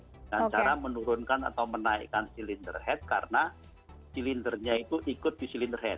dengan cara menurunkan atau menaikkan silinder head karena silindernya itu ikut di silinder hea